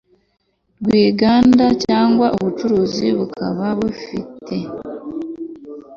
rw inganda cyangwa ubucuruzi bikaba bifite